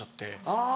あぁ。